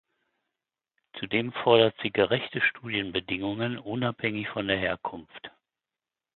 Zudem fordert sie gerechte Studienbedingungen unabhängig von der Herkunft.